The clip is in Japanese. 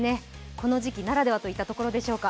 この時期ならではといったところでしょうか。